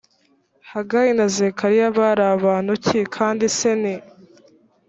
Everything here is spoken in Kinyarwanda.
hagayi na zekariya bari bantu ki kandi se ni